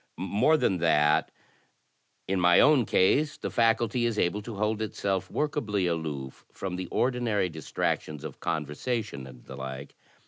More than that, ii^;my own case the factdty is able to hold itself workably aloof f ro|^' the ordinary distractions of conversation and the like.